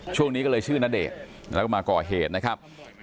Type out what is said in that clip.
ช่วงนี้ก็เลยชื่อณเดชน์แล้วก็มาก่อเหตุนะครับ